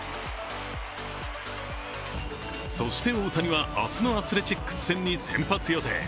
そして大谷は、明日のアスレチックス戦に先発予定。